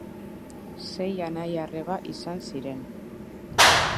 Sei anai arreba izan ziren.